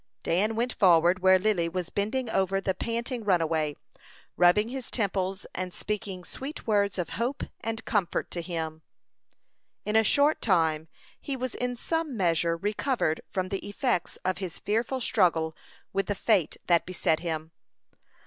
Dan went forward, where Lily was bending over the panting runaway, rubbing his temples, and speaking sweet words of hope and comfort to him. In a short time he was in some measure recovered from the effects of his fearful struggle with the fate that beset him.